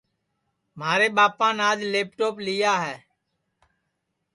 مھارے ٻاپان آج لیپ ٹوپ لیا ہے